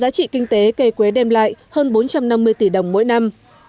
giá trị kinh tế cây quế đem lại hơn bốn trăm năm mươi tỷ đồng mỗi năm